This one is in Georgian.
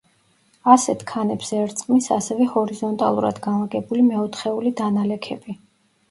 ასეთ ქანებს ერწყმის ასევე ჰორიზონტალურად განლაგებული მეოთხეული დანალექები.